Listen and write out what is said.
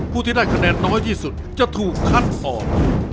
ผู้ที่ได้คะแนนน้อยที่สุดจะถูกคัดออก